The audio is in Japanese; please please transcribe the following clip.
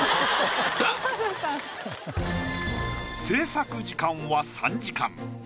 制作時間は３時間。